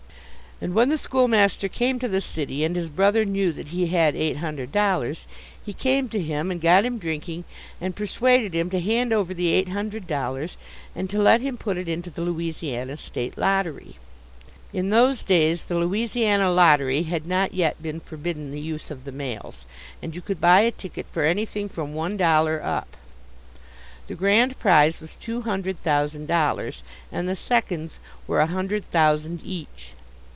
And when the schoolmaster came to the city and his brother knew that he had eight hundred dollars, he came to him and got him drinking and persuaded him to hand over the eight hundred dollars and to let him put it into the Louisiana State lottery. In those days the Louisiana Lottery had not yet been forbidden the use of the mails, and you could buy a ticket for anything from one dollar up. The Grand Prize was two hundred thousand dollars, and the Seconds were a hundred thousand each.